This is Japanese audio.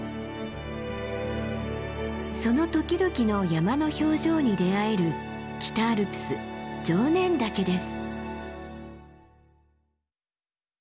その時々の山の表情に出会える北アルプス常念岳です。